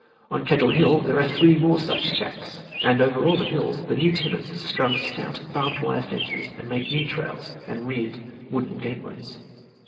On Kettle Hill there are three more such shacks, and over all the hills the new tenants have strung stout barbed wire fences and made new trails and reared wooden gateways.